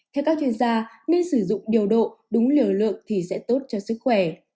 theo các chuyên gia nên sử dụng điều độ đúng liều lượng thì sẽ tốt cho sức khỏe